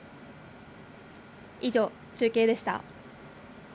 以上、中継でした。